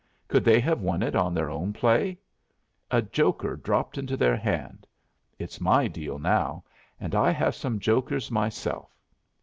Could they have won it on their own play? A joker dropped into their hand. It's my deal now, and I have some jokers myself.